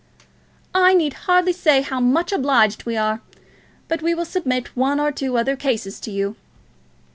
"I need hardly say how much obliged we are. But we will submit one or two other cases to you."